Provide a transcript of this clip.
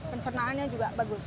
pencernaannya juga bagus